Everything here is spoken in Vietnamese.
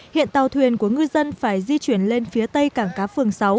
hiện tàu thuyền của ngư dân phải di chuyển lên phía tây cảng cá phường sáu